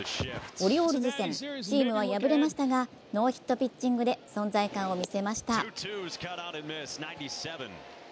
オリオールズ戦、チームは敗れましたがノーヒットピッチングで存在感を見せました。